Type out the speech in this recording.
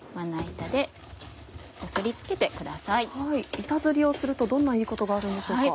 板ずりをするとどんないいことがあるんでしょうか？